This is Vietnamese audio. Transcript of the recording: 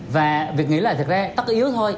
và việc nghĩ là thật ra tất yếu thôi